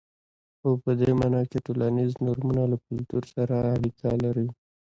هو په دې معنا چې ټولنیز نورمونه له کلتور سره اړیکه لري.